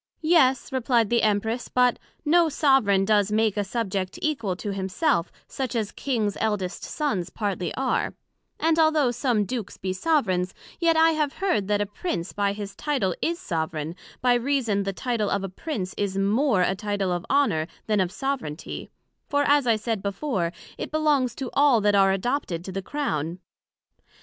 Yes, replied the Empress, but no soveraign does make a subject equal to himself, such as Kings eldest sons partly are: And although some Dukes be soveraigns, yet I have heard that a Prince by his Title is soveraign, by reason the Title of a Prince is more a Title of Honour, then of soveraignty; for, as I said before, it belongs to all that are adopted to the Crown.